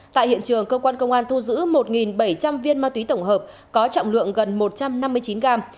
tại hiện trường cơ quan công an thu giữ một bảy trăm linh viên ma túy tổng hợp có trọng lượng gần một trăm năm mươi chín gram